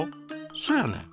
そやねん。